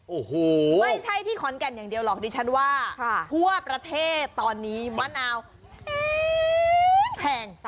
โอ้โหไม่ใช่ที่ขอนแก่นอย่างเดียวหรอกดิฉันว่าทั่วประเทศตอนนี้มะนาวแพง